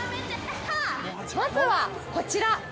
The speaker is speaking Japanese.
◆まずは、こちら！